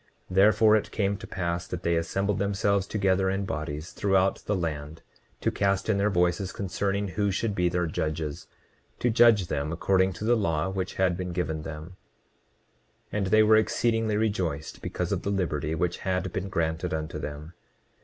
29:39 Therefore, it came to pass that they assembled themselves together in bodies throughout the land, to cast in their voices concerning who should be their judges, to judge them according to the law which had been given them; and they were exceedingly rejoiced because of the liberty which had been granted unto them.